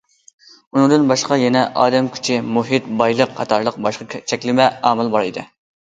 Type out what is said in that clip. ئۇنىڭدىن باشقا يەنە ئادەم كۈچى، مۇھىت، بايلىق قاتارلىق باشقا چەكلىمە ئامىل بار ئىدى.